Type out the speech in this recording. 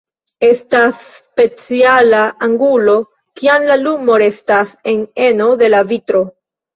Estas speciala angulo, kiam la lumo restas en eno de la vitro.